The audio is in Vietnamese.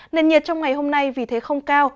nền nhiệt trong ngày hôm nay vì thế không cao